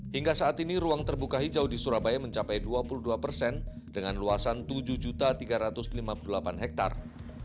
hingga saat ini ruang terbuka hijau di surabaya mencapai dua puluh dua persen dengan luasan tujuh tiga ratus lima puluh delapan hektare